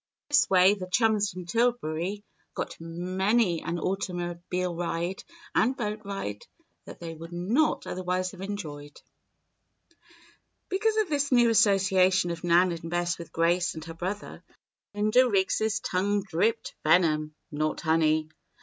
In this way the chums from Tillbury got many an automobile ride and boat ride that they would not otherwise have enjoyed. Because of this new association of Nan and Bess with Grace and her brother, Linda Riggs' tongue dripped venom, not honey.